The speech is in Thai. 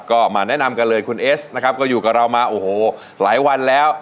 ก็มาแนะนำกันเลยคุณเอสนะครับก็อยู่กับเรามาโอ้โหหลายวันแล้ว